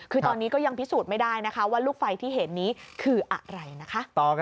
คือตอนนี้ก็ยังพิสูจน์ไม่ได้นะคะว่าลูกไฟที่เห็นนี้คืออะไรนะคะ